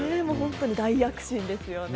大躍進ですよね。